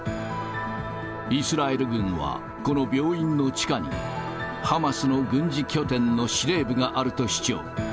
イスラエル軍は、この病院の地下に、ハマスの軍事拠点の司令部があると主張。